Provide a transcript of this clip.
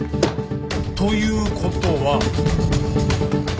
という事は。